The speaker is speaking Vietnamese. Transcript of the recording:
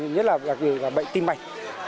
nhất là bệnh tim mạnh